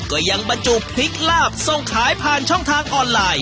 บรรจุพริกลาบส่งขายผ่านช่องทางออนไลน์